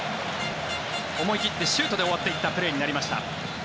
思い切ってシュートで終わっていったプレーになりました。